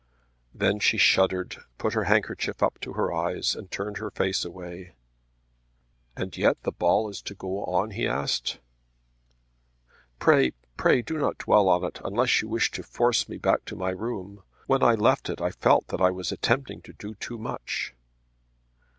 Then she shuddered, put her handkerchief up to her eyes, and turned her face away. "And yet the ball is to go on?" he asked. "Pray, pray, do not dwell on it, unless you wish to force me back to my room. When I left it I felt that I was attempting to do too much."